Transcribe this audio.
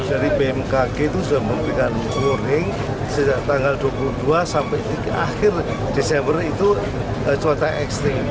jadi bmkg itu sudah memberikan warning sejak tanggal dua puluh dua sampai akhir desember itu cuaca eksting